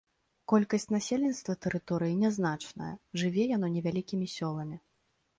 Колькасць насельніцтва тэрыторыі нязначная, жыве яно невялікімі сёламі.